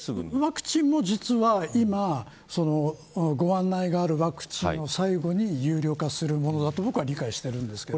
ワクチンも実はご案内があるワクチンを最後に有料化するものだと僕は理解してます。